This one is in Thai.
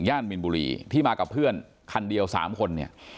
มินบุรีที่มากับเพื่อนคันเดียว๓คนเนี่ย